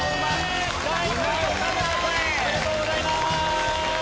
おめでとうございます！